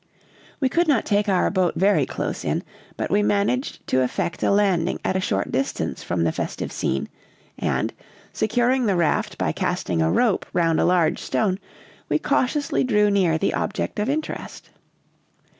We could not take our boat very close in, but we managed to effect a landing at a short distance from the festive scene; and, securing the raft by casting a rope round a large stone, we cautiously drew near the object of interest.